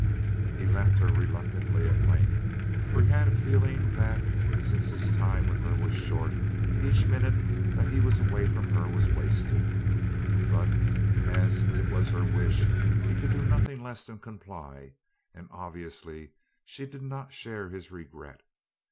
He left her reluctantly at length, for he had a feeling that, since his time with her was short, each minute that he was away from her was wasted; but as it was her wish, he could do nothing less than comply and, obviously, she did not share his regret.